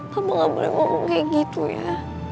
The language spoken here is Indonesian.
kamu gak boleh ngomong kayak gitu ya